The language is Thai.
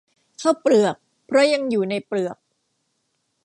ข้าวเปลือก เพราะยังอยู่ในเปลือก